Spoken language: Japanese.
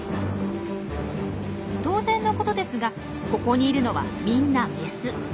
当然のことですがここにいるのはみんなメス。